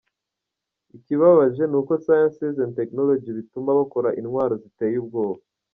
Ikibabaje nuko Sciences & Techonology bituma bakora intwaro ziteye ubwoba.